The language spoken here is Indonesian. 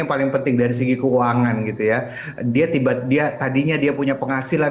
yang paling penting dari segi keuangan gitu ya dia tiba tiba tadinya dia punya penghasilan